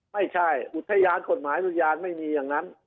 ไม่ใช่อุทยานกฎหมายอุทยานไม่มีอย่างนั้น